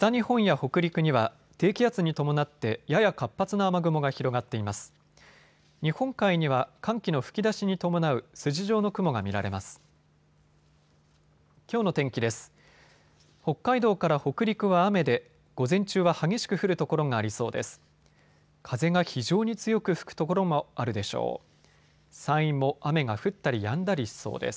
北海道から北陸は雨で午前中は激しく降る所がありそうです。